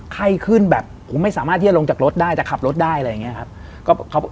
ไข้ขึ้นแบบผมไม่สามารถที่จะลงจากรถได้แต่ขับรถได้อะไรอย่างนี้ครับ